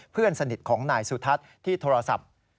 เพื่อนสนิทของนายสุทัศน์ที่โทรศัพท์